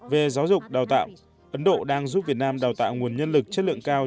về giáo dục đào tạo ấn độ đang giúp việt nam đào tạo nguồn nhân lực chất lượng cao